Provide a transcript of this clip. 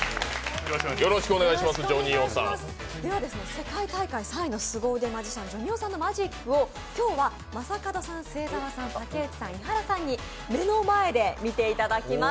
世界大会３位のすご腕マジシャンＪＯＮＩＯさんのマジックを今日は正門さん、末澤さん、竹内さん、伊原さんに目の前で見ていただきます